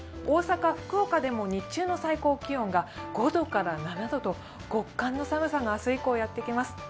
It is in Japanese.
大阪、福岡でも日中の最高気温が５度から７度と極寒の寒さが明日以降やってきます。